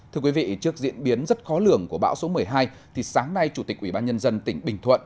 thưa quý vị trước diễn biến rất khó lường của bão số một mươi hai thì sáng nay chủ tịch ubnd tỉnh bình thuận